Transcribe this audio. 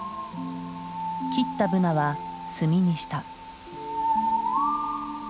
切ったブナは炭にした。